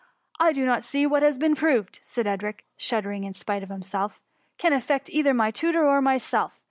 " I do not see that what has been proved,'^ said Edric, shuddering in spite of himself, " can affect either my tutor or myself.